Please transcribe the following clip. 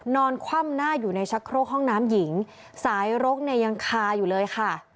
คว่ำหน้าอยู่ในชักโครกห้องน้ำหญิงสายรกเนี่ยยังคาอยู่เลยค่ะ